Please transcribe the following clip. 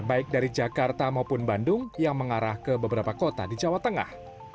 baik dari jakarta maupun bandung yang mengarah ke beberapa kota di jawa tengah